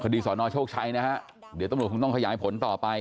คดีสอนอโชคชัยนะฮะเดี๋ยวตำรวจคงต้องขยายผลต่อไป